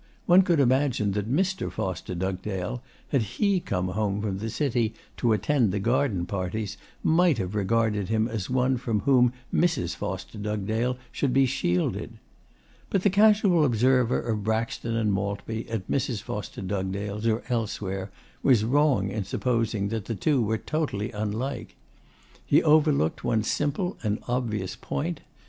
One could imagine that Mr. Foster Dugdale, had he come home from the City to attend the garden parties, might have regarded him as one from whom Mrs. Foster Dugdale should be shielded. But the casual observer of Braxton and Maltby at Mrs. Foster Dugdale's or elsewhere was wrong in supposing that the two were totally unlike. He overlooked one simple and obvious point.